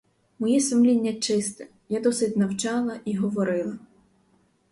Моє сумління чисте, я досить навчала і говорила!